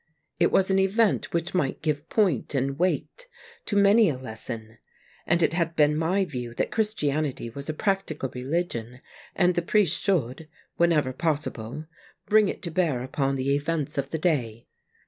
It was an event which might give point and weight to many a lesson, and it had been my view that Christianity was a practical religion, and the priest should, wherever 75 E 2 THE MAGNET possible, bring it to bear upon the events of the day.